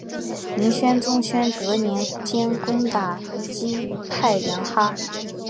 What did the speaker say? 明宣宗宣德年间攻打击兀良哈。